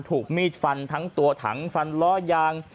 ถูกมีดฟันทั้งตัวถังฟันล้อยาง